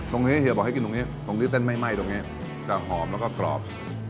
เฮียบอกให้กินตรงนี้ตรงที่เส้นไม่ไหม้ตรงนี้จะหอมแล้วก็กรอบ